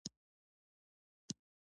د جوارو سیلاج څنګه جوړ کړم؟